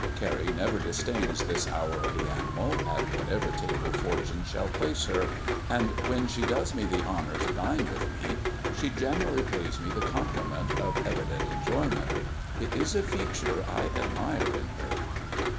Carrie never disdains this hour of the animal, at whatever table fortune shall place her; and when she does me the honour to dine with me, she generally pays me the compliment of evident enjoyment. It is a feature I admire in her.